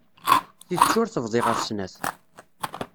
Tidet ur tebḍi ɣef snat.